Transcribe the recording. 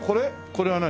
これは何？